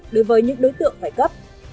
đối với những đối tượng phải cấp